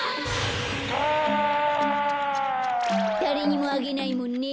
だれにもあげないもんね。